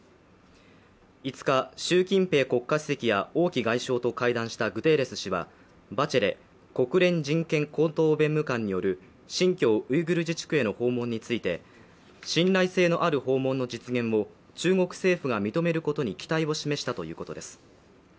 ５日、習近平国家主席や王毅外相と会談したグテーレス氏は、バチェレ国連人権高等弁務官による新疆ウイグル自治区への訪問について信頼性のある訪問の実現を中国政府が認めることに期待を示したということです。